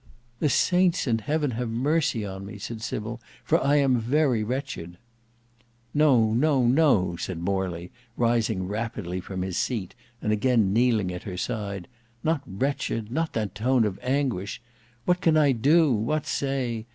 "The Saints in heaven have mercy on me," said Sybil, "for I am very wretched." "No, no, no," said Morley, rising rapidly from his seat, and again kneeling at her side, "not wretched; not that tone of anguish! What can I do? what say?